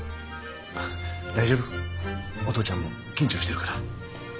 大丈夫お父ちゃんも緊張してるから。